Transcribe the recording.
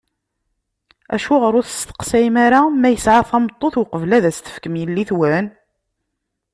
Acuɣer ur testeqsayem ara ma yesɛa tameṭṭut, uqbel ad as-tefkem yellitwen?